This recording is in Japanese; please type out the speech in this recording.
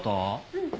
うん。